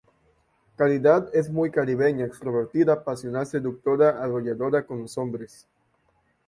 Caridad es muy "caribeña": extrovertida, pasional, seductora, arrolladora cn los hombres.